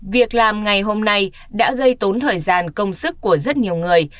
việc làm ngày hôm nay đã gây tốn thời gian công sức của rất nhiều người